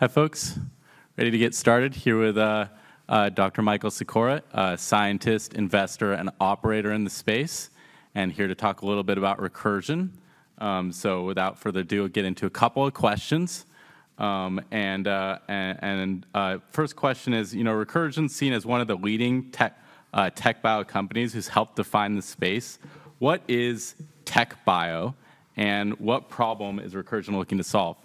Hi, folks. Ready to get started. Here with Dr. Michael Secora, a scientist, investor, and operator in the space, and here to talk a little bit about Recursion. So without further ado, get into a couple of questions. First question is, you know, Recursion's seen as one of the leading tech, TechBio companies who's helped define the space. What is TechBio, and what problem is Recursion looking to solve?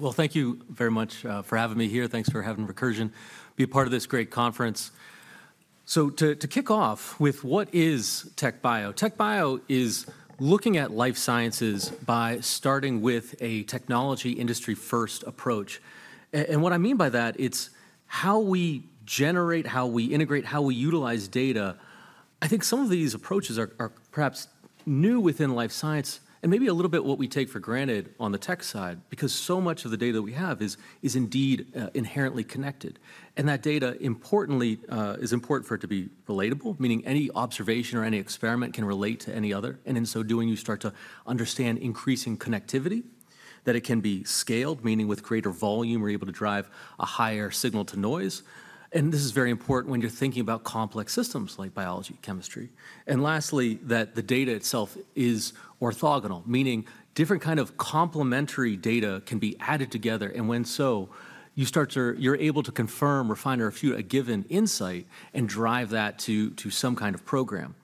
Well, thank you very much for having me here. Thanks for having Recursion be a part of this great conference. So to kick off with what is TechBio. TechBio is looking at life sciences by starting with a technology industry-first approach. And what I mean by that, it's how we generate, how we integrate, how we utilize data. I think some of these approaches are perhaps new within life science, and maybe a little bit what we take for granted on the tech side, because so much of the data we have is indeed inherently connected. And that data, importantly, is important for it to be relatable, meaning any observation or any experiment can relate to any other, and in so doing, you start to understand increasing connectivity. That it can be scaled, meaning with greater volume, we're able to drive a higher signal-to-noise. And this is very important when you're thinking about complex systems like biology, chemistry. And lastly, that the data itself is orthogonal, meaning different kind of complementary data can be added together, and when so, you're able to confirm, refine, or refute a given insight and drive that to some kind of program.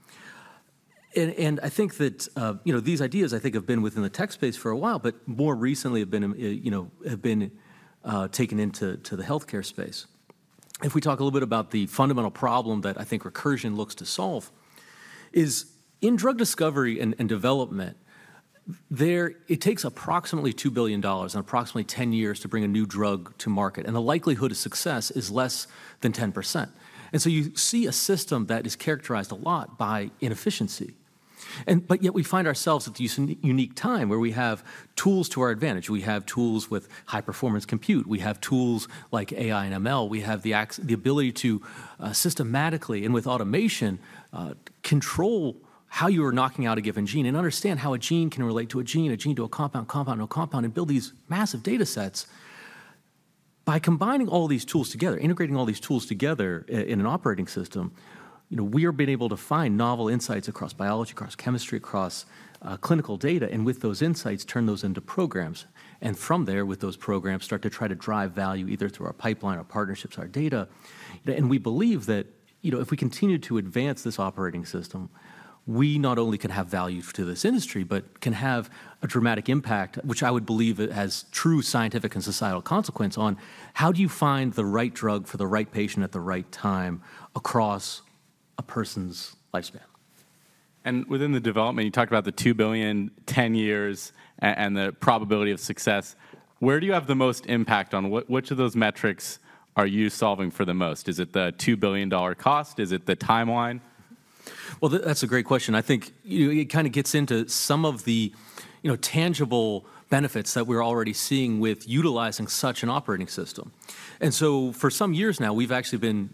And I think that, you know, these ideas, I think, have been within the tech space for a while, but more recently have been taken into the healthcare space. If we talk a little bit about the fundamental problem that I think Recursion looks to solve, is in drug discovery and development, there... It takes approximately $2 billion and approximately 10 years to bring a new drug to market, and the likelihood of success is less than 10%. So you see a system that is characterized a lot by inefficiency. But yet we find ourselves at this unique time, where we have tools to our advantage. We have tools with high-performance compute. We have tools like AI and ML. We have the ability to systematically and with automation control how you are knocking out a given gene and understand how a gene can relate to a gene, a gene to a compound, compound to a compound, and build these massive datasets. By combining all these tools together, integrating all these tools together in an operating system, you know, we have been able to find novel insights across biology, across chemistry, across clinical data, and with those insights, turn those into programs. And from there, with those programs, start to try to drive value, either through our pipeline, our partnerships, our data. And we believe that, you know, if we continue to advance this operating system, we not only can have value to this industry, but can have a dramatic impact, which I would believe has true scientific and societal consequence, on how do you find the right drug for the right patient at the right time across a person's lifespan? Within the development, you talked about the $2 billion, 10 years, and the probability of success. Where do you have the most impact on? What, which of those metrics are you solving for the most? Is it the $2 billion cost? Is it the timeline? Well, that's a great question. I think, you know, it kinda gets into some of the, you know, tangible benefits that we're already seeing with utilizing such an operating system. And so for some years now, we've actually been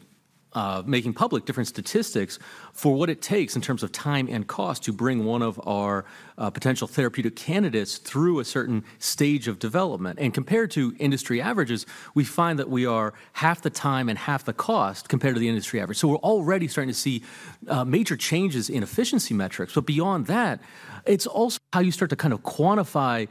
making public different statistics for what it takes in terms of time and cost to bring one of our potential therapeutic candidates through a certain stage of development. And compared to industry averages, we find that we are half the time and half the cost compared to the industry average. So we're already starting to see major changes in efficiency metrics. But beyond that, it's also how you start to kind of quantify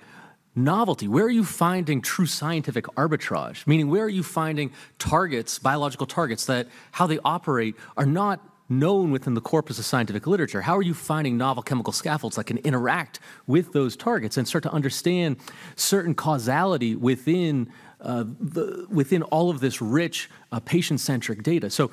novelty. Where are you finding true scientific arbitrage? Meaning, where are you finding targets, biological targets, that how they operate are not known within the corpus of scientific literature? How are you finding novel chemical scaffolds that can interact with those targets and start to understand certain causality within all of this rich patient-centric data? So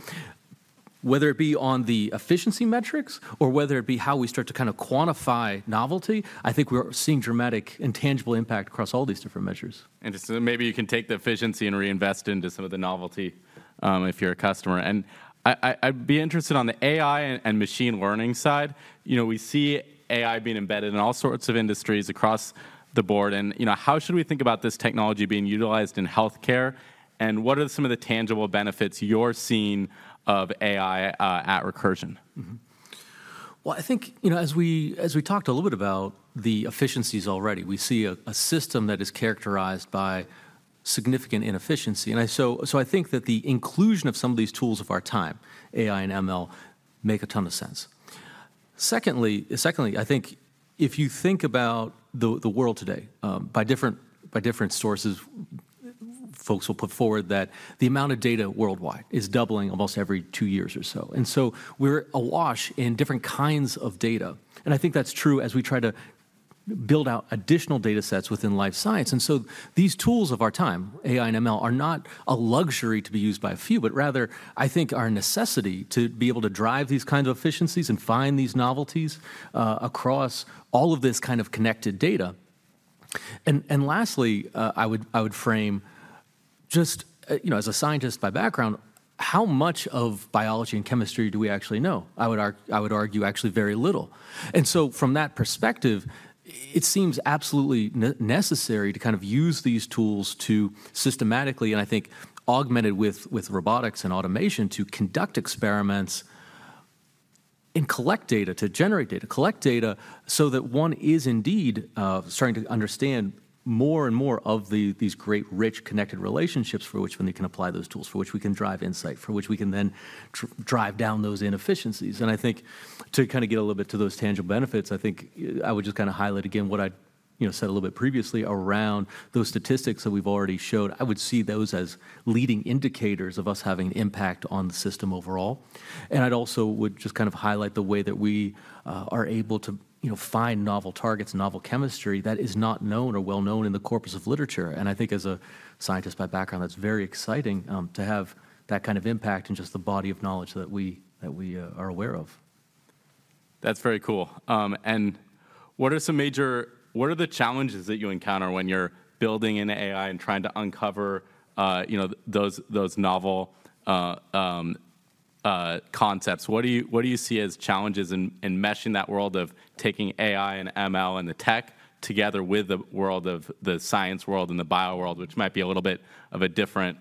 whether it be on the efficiency metrics or whether it be how we start to kinda quantify novelty, I think we're seeing dramatic and tangible impact across all these different measures. So maybe you can take the efficiency and reinvest into some of the novelty, if you're a customer. I'd be interested on the AI and machine learning side. You know, we see AI being embedded in all sorts of industries across the board, and, you know, how should we think about this technology being utilized in healthcare, and what are some of the tangible benefits you're seeing of AI at Recursion? Mm-hmm. Well, I think, you know, as we talked a little bit about the efficiencies already, we see a system that is characterized by significant inefficiency. So I think that the inclusion of some of these tools of our time, AI and ML, make a ton of sense. Secondly, I think if you think about the world today, by different sources, folks will put forward that the amount of data worldwide is doubling almost every two years or so. And so we're awash in different kinds of data, and I think that's true as we try to build out additional datasets within life science. These tools of our time, AI and ML, are not a luxury to be used by a few, but rather, I think are a necessity to be able to drive these kinds of efficiencies and find these novelties across all of this kind of connected data. Lastly, I would frame, just, you know, as a scientist by background, how much of biology and chemistry do we actually know? I would argue actually very little. And so from that perspective, it seems absolutely necessary to kind of use these tools to systematically, and I think augmented with robotics and automation, to conduct experiments and collect data, to generate data. Collect data so that one is indeed starting to understand more and more of these great, rich, connected relationships for which then they can apply those tools, for which we can drive insight, for which we can then drive down those inefficiencies. And I think to kind of get a little bit to those tangible benefits, I think I would just kind of highlight again what I, you know, said a little bit previously around those statistics that we've already showed. I would see those as leading indicators of us having an impact on the system overall. And I'd also would just kind of highlight the way that we are able to, you know, find novel targets and novel chemistry that is not known or well known in the corpus of literature. I think as a scientist by background, that's very exciting to have that kind of impact in just the body of knowledge that we are aware of. That's very cool. And what are some major-- what are the challenges that you encounter when you're building an AI and trying to uncover, you know, those, those novel concepts? What do you, what do you see as challenges in meshing that world of taking AI and ML and the tech together with the world of the science world and the bio world, which might be a little bit of a different...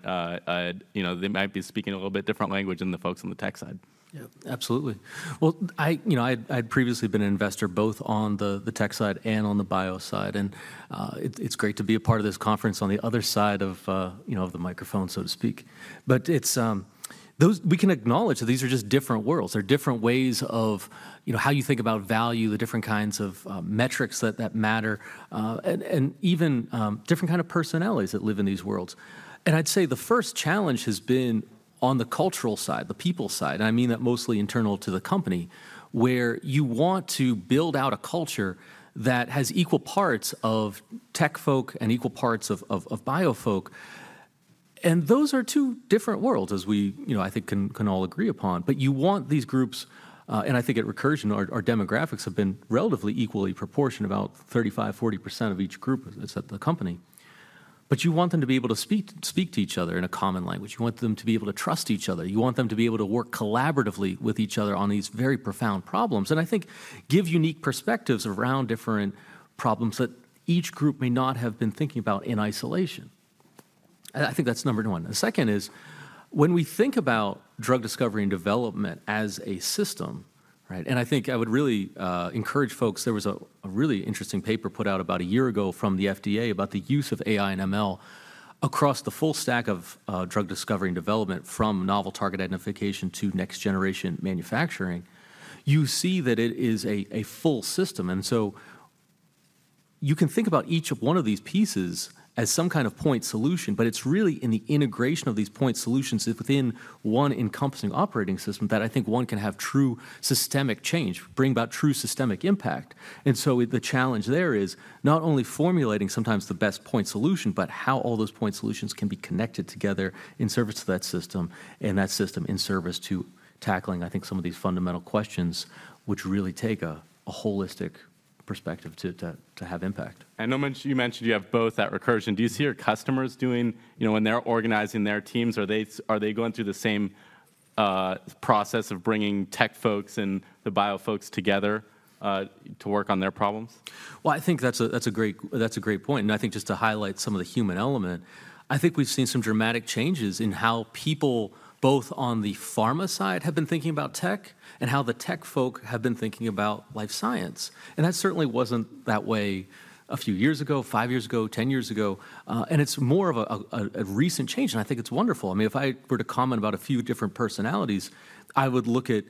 You know, they might be speaking a little bit different language than the folks on the tech side? Yeah, absolutely. Well, you know, I'd previously been an investor both on the tech side and on the bio side. And it's great to be a part of this conference on the other side of, you know, of the microphone, so to speak. But it's those... We can acknowledge that these are just different worlds. They're different ways of, you know, how you think about value, the different kinds of metrics that matter, and even different kind of personalities that live in these worlds. And I'd say the first challenge has been on the cultural side, the people side, and I mean that mostly internal to the company, where you want to build out a culture that has equal parts of tech folk and equal parts of bio folk. And those are two different worlds, as we, you know, I think can, can all agree upon. But you want these groups. And I think at Recursion, our, our demographics have been relatively equally proportioned, about 35%-40% of each group is at the company. But you want them to be able to speak, speak to each other in a common language. You want them to be able to trust each other. You want them to be able to work collaboratively with each other on these very profound problems, and I think give unique perspectives around different problems that each group may not have been thinking about in isolation. And I think that's number one. The second is, when we think about drug discovery and development as a system, right? I think I would really encourage folks. There was a really interesting paper put out about a year ago from the FDA about the use of AI and ML across the full stack of drug discovery and development, from novel target identification to next-generation manufacturing. You see that it is a full system. And so you can think about each one of these pieces as some kind of point solution, but it's really in the integration of these point solutions within one encompassing operating system that I think one can have true systemic change, bring about true systemic impact. And so the challenge there is not only formulating sometimes the best point solution, but how all those point solutions can be connected together in service to that system, and that system in service to tackling, I think, some of these fundamental questions, which really take a holistic perspective to have impact. I know you mentioned you have both at Recursion. Do you see your customers doing... You know, when they're organizing their teams, are they, are they going through the same process of bringing tech folks and the bio folks together to work on their problems? Well, I think that's a great point. I think just to highlight some of the human element, I think we've seen some dramatic changes in how people, both on the pharma side, have been thinking about tech, and how the tech folk have been thinking about life science. That certainly wasn't that way a few years ago, 5 years ago, 10 years ago. It's more of a recent change, and I think it's wonderful. I mean, if I were to comment about a few different personalities, I would look at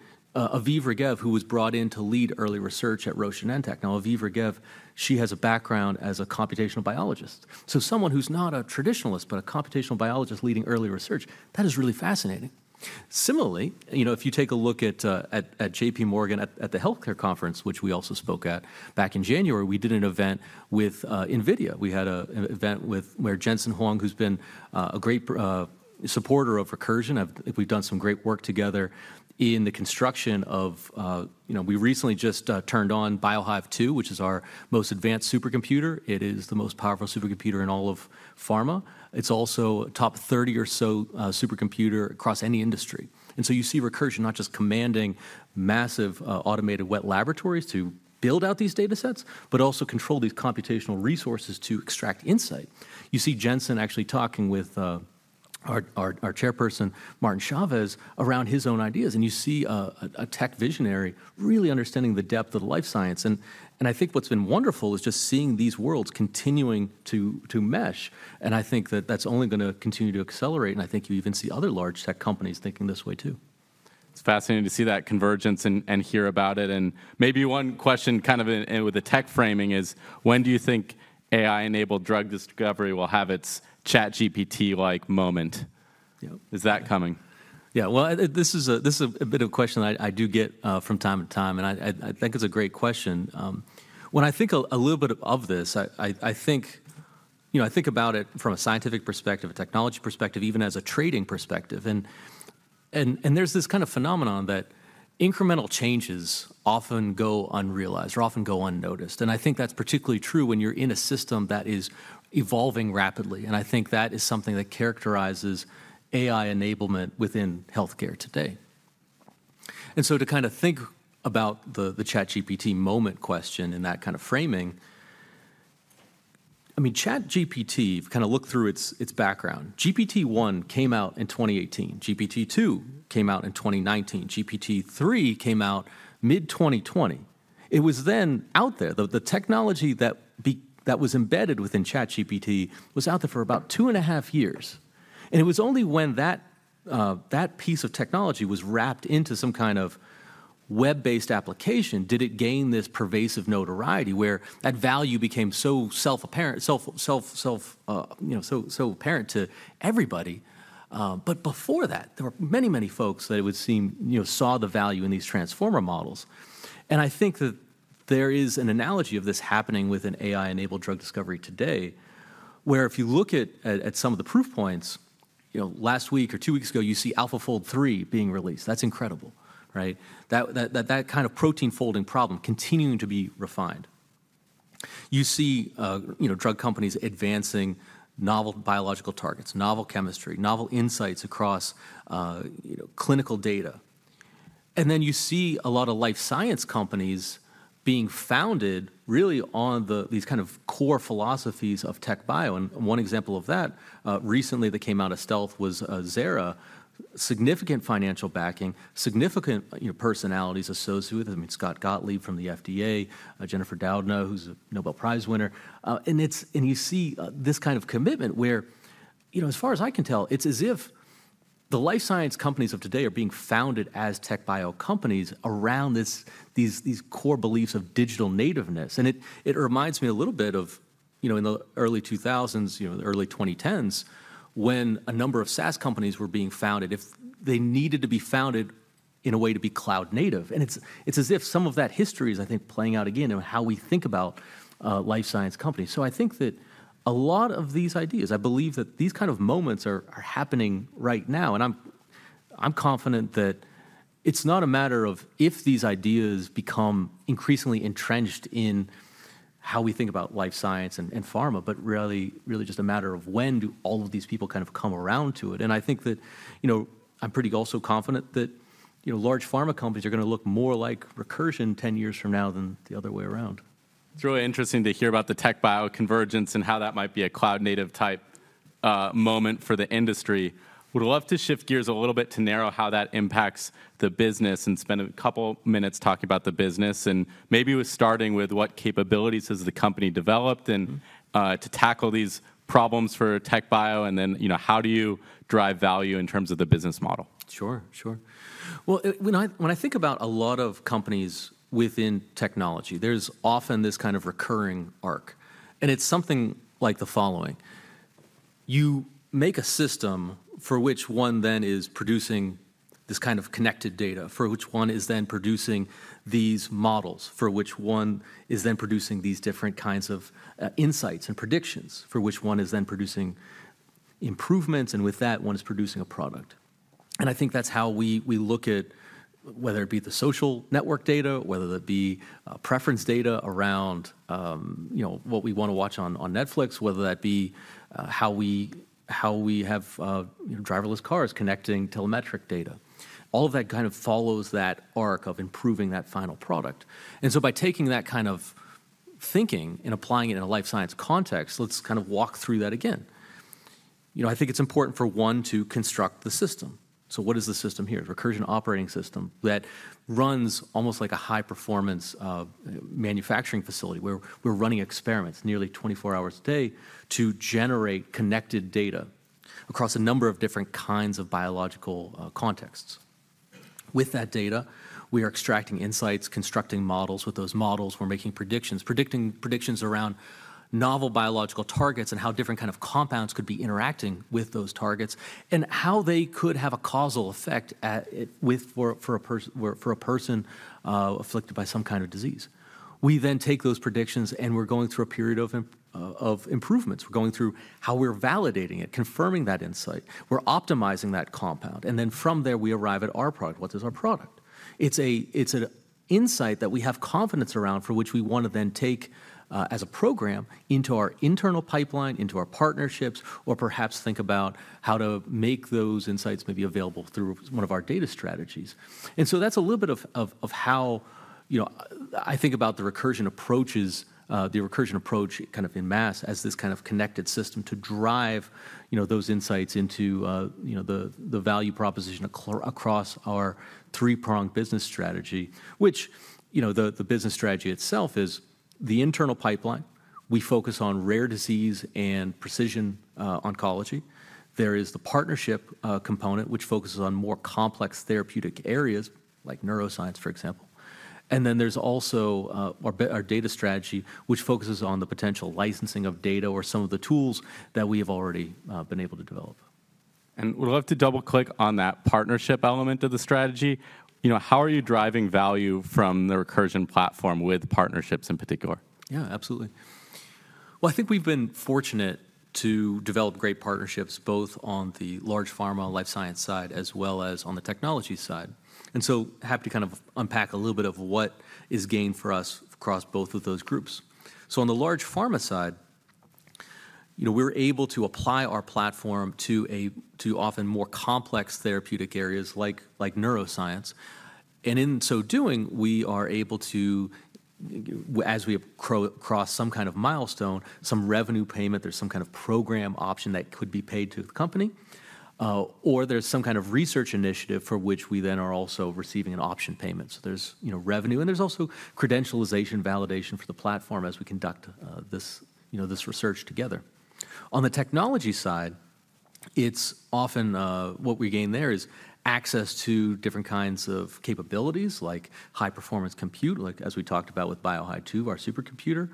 Aviv Regev, who was brought in to lead early research at Roche Genentech. Now, Aviv Regev, she has a background as a computational biologist. So someone who's not a traditionalist, but a computational biologist leading early research, that is really fascinating. Similarly, you know, if you take a look at JPMorgan at the healthcare conference, which we also spoke at, back in January, we did an event with NVIDIA. We had an event where Jensen Huang, who's been a great supporter of Recursion. We've done some great work together in the construction of. You know, we recently just turned on BioHive-2, which is our most advanced supercomputer. It is the most powerful supercomputer in all of pharma. It's also a top 30 or so supercomputer across any industry. And so you see Recursion not just commanding massive automated wet laboratories to build out these datasets, but also control these computational resources to extract insight. You see Jensen actually talking with our Chairperson, Martin Chavez, around his own ideas, and you see a tech visionary really understanding the depth of life science. And I think what's been wonderful is just seeing these worlds continuing to mesh, and I think that's only gonna continue to accelerate, and I think you even see other large tech companies thinking this way too. It's fascinating to see that convergence and hear about it. And maybe one question, kind of in with the tech framing, is: When do you think AI-enabled drug discovery will have its ChatGPT-like moment? Yep. Is that coming? Yeah, well, this is a bit of a question I do get from time to time, and I think it's a great question. When I think a little bit of this, I think... You know, I think about it from a scientific perspective, a technology perspective, even as a trading perspective. And there's this kind of phenomenon that incremental changes often go unrealized or often go unnoticed, and I think that's particularly true when you're in a system that is evolving rapidly. And I think that is something that characterizes AI enablement within healthcare today. And so to kind of think about the ChatGPT moment question in that kind of framing... I mean, ChatGPT, you've kind of looked through its background. GPT-1 came out in 2018. GPT-2 came out in 2019. GPT-3 came out mid-2020. It was then out there, the technology that was embedded within ChatGPT was out there for about 2.5 years. And it was only when that, that piece of technology was wrapped into some kind of web-based application, did it gain this pervasive notoriety, where that value became so self-apparent, self, self, self, you know, so, so apparent to everybody. But before that, there were many, many folks that it would seem, you know, saw the value in these transformer models. And I think that there is an analogy of this happening with an AI-enabled drug discovery today, where if you look at, at, at some of the proof points, you know, last week or 2 weeks ago, you see AlphaFold 3 being released. That's incredible, right? That kind of protein-folding problem continuing to be refined. You see, you know, drug companies advancing novel biological targets, novel chemistry, novel insights across, you know, clinical data. And then you see a lot of life science companies being founded really on the these kind of core philosophies of TechBio. And one example of that, recently that came out of stealth was Xaira. Significant financial backing, significant, you know, personalities associated with it. I mean, Scott Gottlieb from the FDA, Jennifer Doudna, who's a Nobel Prize winner. And it's and you see this kind of commitment, where, you know, as far as I can tell, it's as if the life science companies of today are being founded as TechBio companies around this, these, these core beliefs of digital nativeness. It reminds me a little bit of, you know, in the early 2000s, you know, the early 2010s, when a number of SaaS companies were being founded, if they needed to be founded in a way to be cloud native. And it's as if some of that history is, I think, playing out again in how we think about life science companies. So I think that a lot of these ideas, I believe that these kind of moments are happening right now, and I'm confident that it's not a matter of if these ideas become increasingly entrenched in how we think about life science and pharma, but really, really just a matter of when do all of these people kind of come around to it. I think that, you know, I'm pretty also confident that, you know, large pharma companies are gonna look more like Recursion 10 years from now than the other way around. It's really interesting to hear about the TechBio convergence and how that might be a cloud-native type moment for the industry. Would love to shift gears a little bit to narrow how that impacts the business and spend a couple minutes talking about the business, and maybe with starting with what capabilities has the company developed to tackle these problems for TechBio, and then, you know, how do you drive value in terms of the business model? Sure, sure. Well, it, when I, when I think about a lot of companies within technology, there's often this kind of recurring arc, and it's something like the following: You make a system for which one then is producing this kind of connected data, for which one is then producing these models, for which one is then producing these different kinds of insights and predictions, for which one is then producing improvements, and with that, one is producing a product. And I think that's how we, we look at whether it be the social network data, whether that be preference data around you know what we wanna watch on Netflix, whether that be how we, how we have you know driverless cars connecting telemetric data. All of that kind of follows that arc of improving that final product. And so by taking that kind of thinking and applying it in a life science context, let's kind of walk through that again. You know, I think it's important for one to construct the system. So what is the system here? Recursion Operating System that runs almost like a high-performance manufacturing facility, where we're running experiments nearly 24 hours a day to generate connected data across a number of different kinds of biological contexts. With that data, we are extracting insights, constructing models. With those models, we're making predictions, predicting predictions around novel biological targets and how different kind of compounds could be interacting with those targets, and how they could have a causal effect with, for a person afflicted by some kind of disease. We then take those predictions, and we're going through a period of improvements. We're going through how we're validating it, confirming that insight. We're optimizing that compound, and then from there, we arrive at our product. What is our product? It's a, it's an insight that we have confidence around, for which we want to then take, as a program into our internal pipeline, into our partnerships, or perhaps think about how to make those insights maybe available through one of our data strategies. And so that's a little bit of how, you know, I think about the Recursion approaches, the Recursion approach kind of en masse, as this kind of connected system to drive, you know, those insights into, you know, the, the value proposition across our three-pronged business strategy. Which, you know, the business strategy itself is the internal pipeline. We focus on rare disease and precision oncology. There is the partnership component, which focuses on more complex therapeutic areas, like neuroscience, for example. And then there's also our data strategy, which focuses on the potential licensing of data or some of the tools that we have already been able to develop. Would love to double-click on that partnership element of the strategy. You know, how are you driving value from the Recursion platform with partnerships in particular? Yeah, absolutely. Well, I think we've been fortunate to develop great partnerships, both on the large pharma life science side, as well as on the technology side. And so happy to kind of unpack a little bit of what is gained for us across both of those groups. So on the large pharma side, you know, we're able to apply our platform to often more complex therapeutic areas like neuroscience. And in so doing, we are able to, as we have crossed some kind of milestone, some revenue payment, there's some kind of program option that could be paid to the company, or there's some kind of research initiative for which we then are also receiving an option payment. So there's, you know, revenue, and there's also credentialization validation for the platform as we conduct this, you know, this research together. On the technology side, it's often what we gain there is access to different kinds of capabilities, like high-performance compute, like as we talked about with BioHive-2, our supercomputer.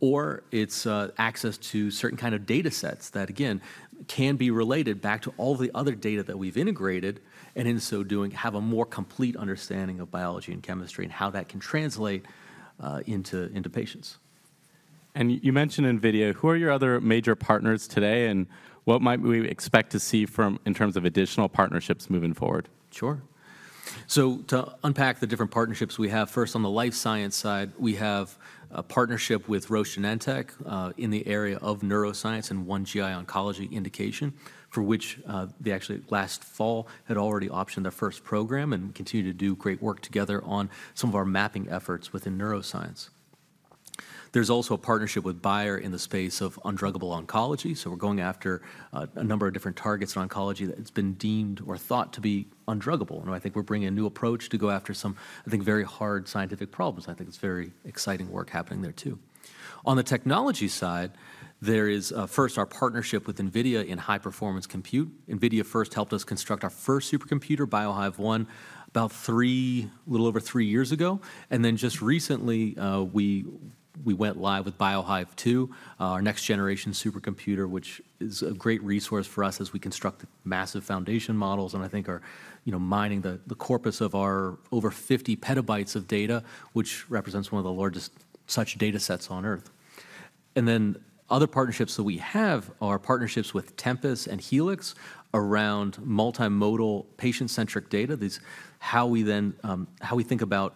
Or it's access to certain kind of datasets that, again, can be related back to all the other data that we've integrated, and in so doing, have a more complete understanding of biology and chemistry and how that can translate into patients. You mentioned NVIDIA. Who are your other major partners today, and what might we expect to see from... in terms of additional partnerships moving forward? Sure. So to unpack the different partnerships we have, first, on the life science side, we have a partnership with Roche Genentech, in the area of neuroscience and one GI oncology indication, for which, they actually last fall had already optioned their first program and continue to do great work together on some of our mapping efforts within neuroscience. There's also a partnership with Bayer in the space of undruggable oncology, so we're going after, a number of different targets in oncology that it's been deemed or thought to be undruggable. And I think we're bringing a new approach to go after some, I think, very hard scientific problems. I think it's very exciting work happening there, too. On the technology side, there is, first, our partnership with NVIDIA in high-performance compute. NVIDIA first helped us construct our first supercomputer, BioHive-1, about 3, a little over 3 years ago. And then just recently, we went live with BioHive-2, our next-generation supercomputer, which is a great resource for us as we construct massive foundation models and I think are, you know, mining the corpus of our over 50 PB of data, which represents one of the largest such datasets on Earth. And then other partnerships that we have are partnerships with Tempus and Helix around multimodal, patient-centric data. These, how we then, how we think about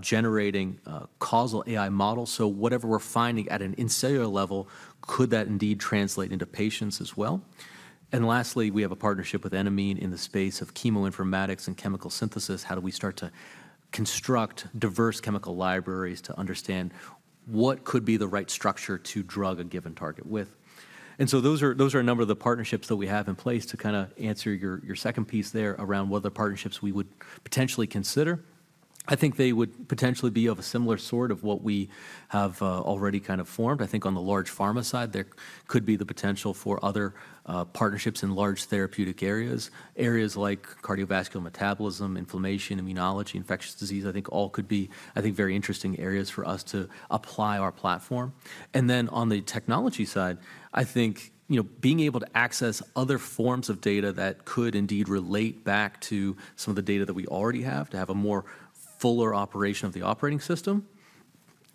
generating causal AI models. So whatever we're finding at an in cellular level, could that indeed translate into patients as well? And lastly, we have a partnership with Enamine in the space of chemoinformatics and chemical synthesis. How do we start to construct diverse chemical libraries to understand what could be the right structure to drug a given target with? And so those are a number of the partnerships that we have in place to kinda answer your second piece there around what other partnerships we would potentially consider. I think they would potentially be of a similar sort of what we have already kind of formed. I think on the large pharma side, there could be the potential for other partnerships in large therapeutic areas. Areas like cardiovascular metabolism, inflammation, immunology, infectious disease, I think all could be very interesting areas for us to apply our platform. And then on the technology side, I think, you know, being able to access other forms of data that could indeed relate back to some of the data that we already have, to have a more fuller operation of the operating system,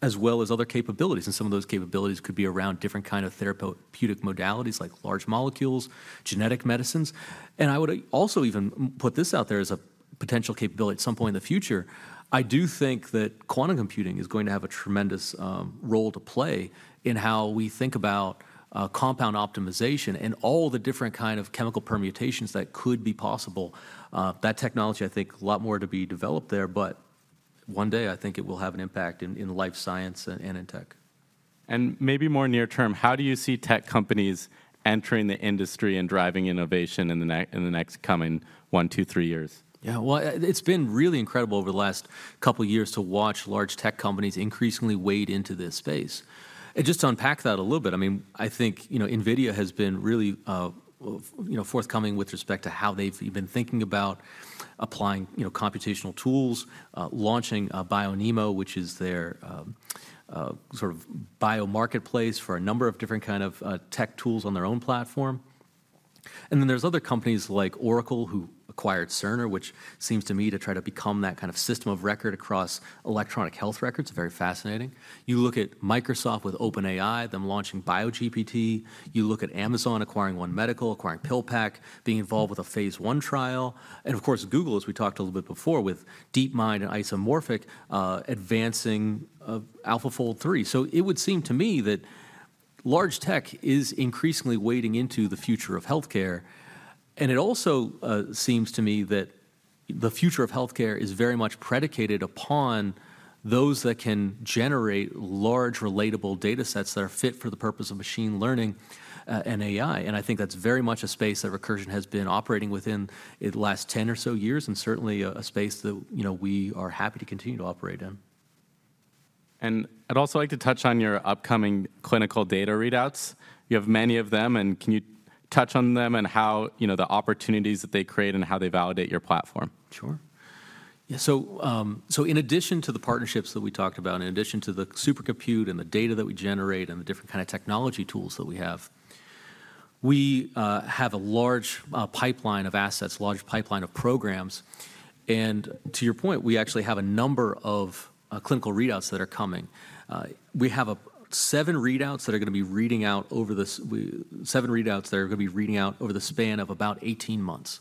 as well as other capabilities, and some of those capabilities could be around different kind of therapeutic modalities, like large molecules, genetic medicines. And I would also even put this out there as a potential capability at some point in the future: I do think that quantum computing is going to have a tremendous role to play in how we think about compound optimization and all the different kind of chemical permutations that could be possible. That technology, I think, a lot more to be developed there, but one day, I think it will have an impact in life science and in tech. Maybe more near term, how do you see tech companies entering the industry and driving innovation in the next coming 1, 2, 3 years? Yeah, well, it's been really incredible over the last couple years to watch large tech companies increasingly wade into this space. And just to unpack that a little bit, I mean, I think, you know, NVIDIA has been really, you know, forthcoming with respect to how they've even thinking about applying, you know, computational tools, launching, BioNeMo, which is their, sort of bio marketplace for a number of different kind of, tech tools on their own platform. And then there's other companies like Oracle, who acquired Cerner, which seems to me to try to become that kind of system of record across electronic health records. Very fascinating. You look at Microsoft with OpenAI, them launching BioGPT. You look at Amazon acquiring One Medical, acquiring PillPack, being involved with a phase I trial. Of course, Google, as we talked a little bit before, with DeepMind and Isomorphic, advancing, AlphaFold 3. So it would seem to me that large tech is increasingly wading into the future of healthcare, and it also, seems to me that the future of healthcare is very much predicated upon those that can generate large, relatable datasets that are fit for the purpose of machine learning, and AI. I think that's very much a space that Recursion has been operating within in the last 10 or so years, and certainly a space that, you know, we are happy to continue to operate in. I'd also like to touch on your upcoming clinical data readouts. You have many of them, and can you touch on them and how, you know, the opportunities that they create and how they validate your platform? Sure. Yeah, so, so in addition to the partnerships that we talked about, and in addition to the supercomputer and the data that we generate and the different kind of technology tools that we have, we have a large pipeline of assets, large pipeline of programs. And to your point, we actually have a number of clinical readouts that are coming. We have 7 readouts that are going to be reading out over the span of about 18 months.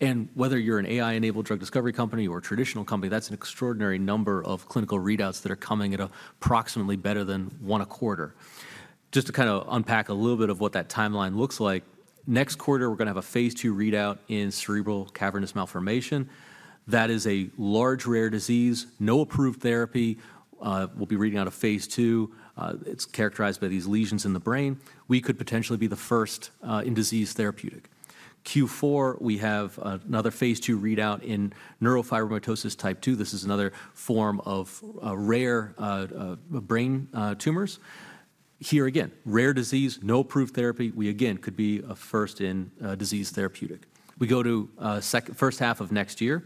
And whether you're an AI-enabled drug discovery company or a traditional company, that's an extraordinary number of clinical readouts that are coming at approximately better than 1 a quarter. Just to kind of unpack a little bit of what that timeline looks like, next quarter, we're going to have a phase II readout in cerebral cavernous malformation. That is a large, rare disease, no approved therapy. We'll be reading out a phase II. It's characterized by these lesions in the brain. We could potentially be the first in-disease therapeutic. Q4, we have another phase II readout in neurofibromatosis type 2. This is another form of rare brain tumors. Here again, rare disease, no approved therapy. We again could be a first-in-disease therapeutic. We go to first half of next year,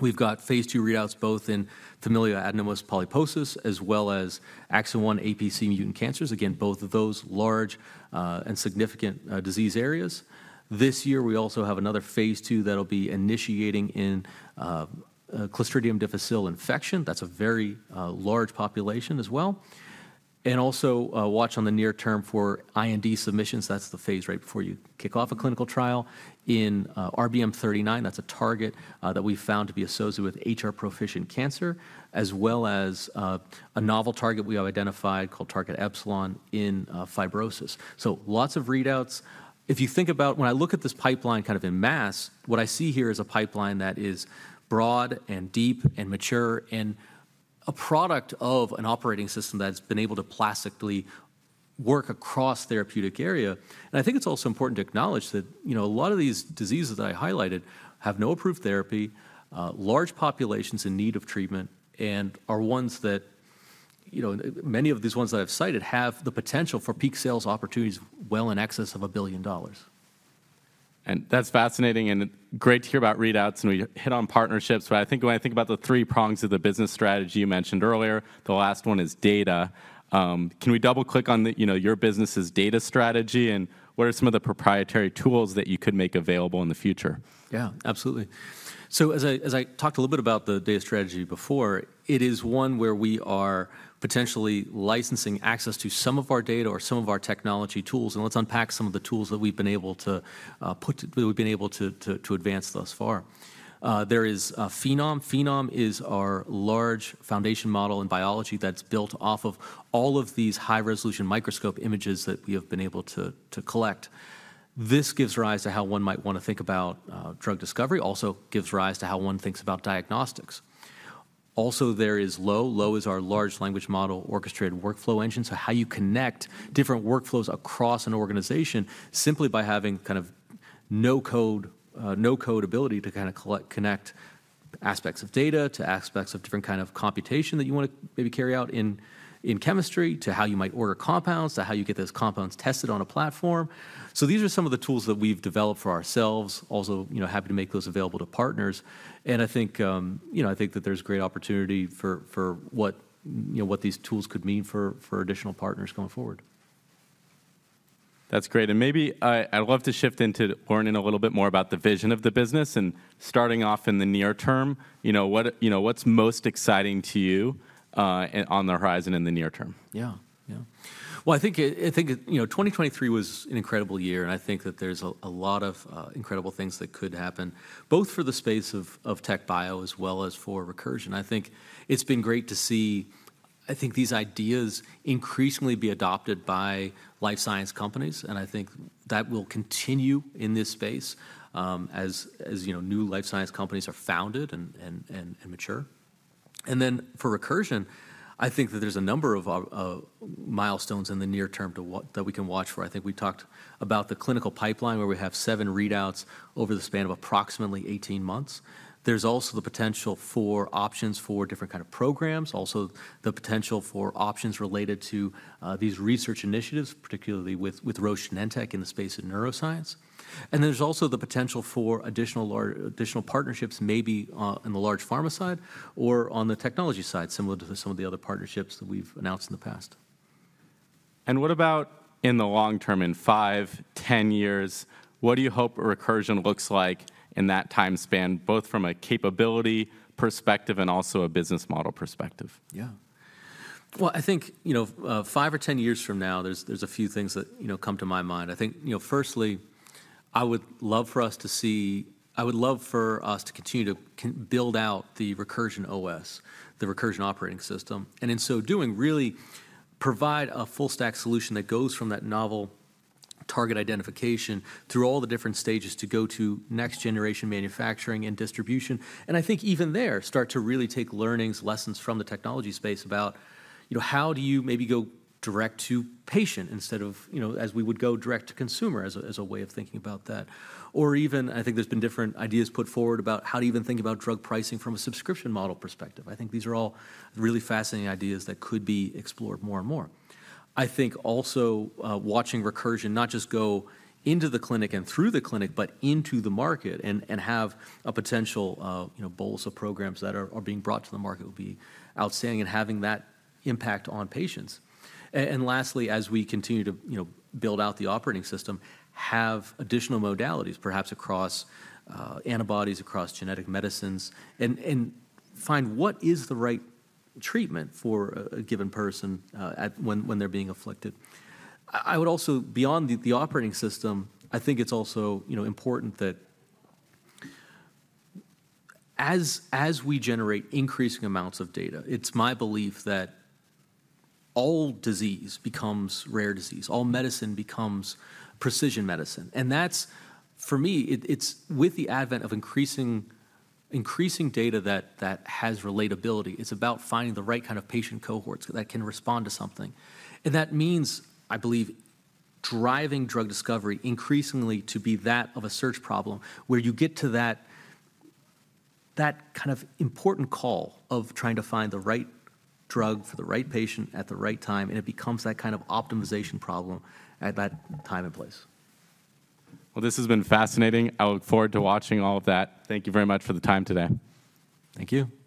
we've got phase II readouts both in familial adenomatous polyposis, as well as APC mutant cancers. Again, both of those large and significant disease areas. This year, we also have another phase II that'll be initiating in Clostridium difficile infection. That's a very large population as well. Also, watch on the near term for IND submissions, that's the phase right before you kick off a clinical trial, in RBM39. That's a target that we found to be associated with HR-proficient cancer, as well as a novel target we have identified called Target Epsilon in fibrosis. Lots of readouts. If you think about. When I look at this pipeline kind of en masse, what I see here is a pipeline that is broad and deep and mature, and a product of an operating system that's been able to classically work across therapeutic area. I think it's also important to acknowledge that, you know, a lot of these diseases that I highlighted have no approved therapy, large populations in need of treatment, and are ones that, you know, many of these ones that I've cited have the potential for peak sales opportunities well in excess of a billion dollars. That's fascinating and great to hear about readouts, and we hit on partnerships. But I think when I think about the three prongs of the business strategy you mentioned earlier, the last one is data. Can we double-click on the, you know, your business's data strategy, and what are some of the proprietary tools that you could make available in the future? Yeah, absolutely. So as I talked a little bit about the data strategy before, it is one where we are potentially licensing access to some of our data or some of our technology tools, and let's unpack some of the tools that we've been able to advance thus far. There is Phenom. Phenom is our large foundation model in biology that's built off of all of these high-resolution microscope images that we have been able to collect. This gives rise to how one might want to think about drug discovery. Also gives rise to how one thinks about diagnostics. Also, there is LOWE. LOWE is our large language model-orchestrated workflow engine. So how you connect different workflows across an organization simply by having kind of no code, no-code ability to kind of connect aspects of data, to aspects of different kind of computation that you want to maybe carry out in chemistry, to how you might order compounds, to how you get those compounds tested on a platform. So these are some of the tools that we've developed for ourselves. Also, you know, happy to make those available to partners. And I think, you know, I think that there's great opportunity for what, you know, what these tools could mean for additional partners going forward. That's great. And maybe I, I'd love to shift into learning a little bit more about the vision of the business, and starting off in the near term, you know, what, you know, what's most exciting to you, on the horizon in the near term? Yeah, yeah. Well, I think, you know, 2023 was an incredible year, and I think that there's a lot of incredible things that could happen, both for the space of TechBio as well as for Recursion. I think it's been great to see, I think, these ideas increasingly be adopted by life science companies, and I think that will continue in this space, as you know, new life science companies are founded and mature. And then for Recursion, I think that there's a number of milestones in the near term that we can watch for. I think we talked about the clinical pipeline, where we have 7 readouts over the span of approximately 18 months. There's also the potential for options for different kind of programs, also the potential for options related to these research initiatives, particularly with Roche Genentech in the space of neuroscience. And there's also the potential for additional partnerships, maybe, in the large pharma side or on the technology side, similar to some of the other partnerships that we've announced in the past. What about in the long term, in 5, 10 years? What do you hope Recursion looks like in that time span, both from a capability perspective and also a business model perspective? Yeah. Well, I think, you know, five or 10 years from now, there's a few things that, you know, come to my mind. I think, you know, firstly, I would love for us to see... I would love for us to continue to build out the Recursion OS, the Recursion operating system, and in so doing, really provide a full-stack solution that goes from that novel target identification through all the different stages to go to next-generation manufacturing and distribution. And I think even there, start to really take learnings, lessons from the technology space about, you know, how do you maybe go direct to patient, instead of, you know, as we would go direct to consumer, as a way of thinking about that. Or even, I think there's been different ideas put forward about how to even think about drug pricing from a subscription model perspective. I think these are all really fascinating ideas that could be explored more and more. I think also, watching Recursion not just go into the clinic and through the clinic, but into the market and have a potential, you know, bolus of programs that are being brought to the market will be outstanding and having that impact on patients. And lastly, as we continue to, you know, build out the operating system, have additional modalities, perhaps across antibodies, across genetic medicines, and find what is the right treatment for a given person, at when when they're being afflicted. I would also, beyond the operating system, I think it's also, you know, important that as we generate increasing amounts of data, it's my belief that all disease becomes rare disease, all medicine becomes precision medicine. And that's, for me, it's with the advent of increasing data that has relatability. It's about finding the right kind of patient cohorts that can respond to something. And that means, I believe, driving drug discovery increasingly to be that of a search problem, where you get to that kind of important call of trying to find the right drug for the right patient at the right time, and it becomes that kind of optimization problem at that time and place. Well, this has been fascinating. I look forward to watching all of that. Thank you very much for the time today. Thank you.